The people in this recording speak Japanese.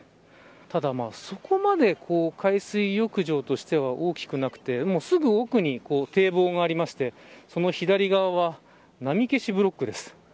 ただ、そこまで海水浴場としては大きくなくて、すぐ奥に堤防もありまして、その左側は波消しブロックです。